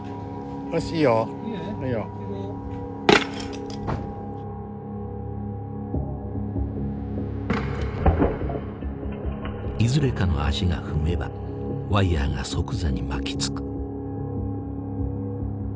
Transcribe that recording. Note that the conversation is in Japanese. よしいいよ。いい？いいよ。いずれかの足が踏めばワイヤーが即座に巻きつく。